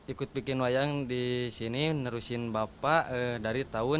ikut bikin wayang disini menerusin bapak dari tahun dua ribu tujuh